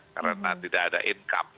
karena tidak ada income